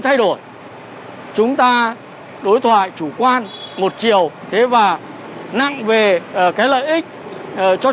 thế nhưng các hộ tầng một khi mà họ vẫn đang kinh doanh buôn bán